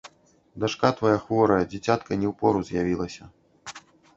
Дачка твая хворая, дзіцятка не ў пору з'явілася.